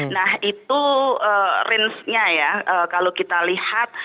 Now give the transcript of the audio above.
nah itu range nya ya kalau kita lihat